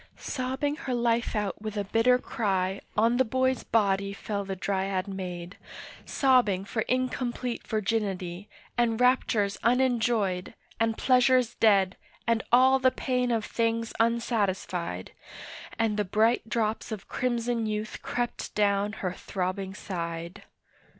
Sobbing her life out with a bitter cry On the boy's body fell the Dryad maid, Sobbing for incomplete virginity, And raptures unenjoyed, and pleasures dead, And all the pain of things unsatisfied, And the bright drops of crimson youth crept down her throbbing side.